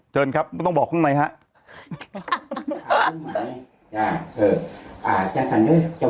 เชิญครับต้องบอกข้างในครับ